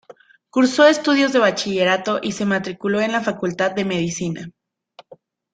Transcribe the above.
Cursó estudios de bachillerato y se matriculó en la facultad de medicina.